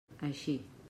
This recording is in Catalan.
Així.